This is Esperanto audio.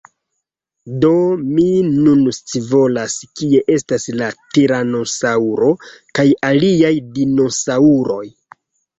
Do, mi nun scivolas, kie estas la tiranosaŭro kaj aliaj dinosaŭroj